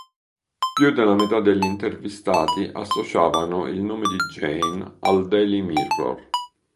Più della metà degli intervistati associavano il nome di Jane al "Daily Mirror".